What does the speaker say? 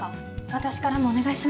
私からもお願いします。